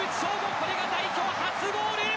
これが代表初ゴール。